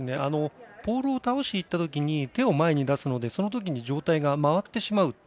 ポールを倒していったときに手を前に出すのでそのときに上体が回ってしまう。